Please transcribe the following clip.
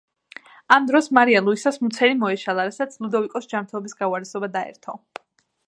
ამ დროს მარია ლუისას მუცელი მოეშალა, რასაც ლუდოვიკოს ჯანმრთელობის გაუარესება დაერთო.